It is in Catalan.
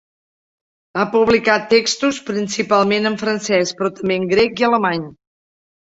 Ha publicat textos principalment en francès, però també en grec i alemany.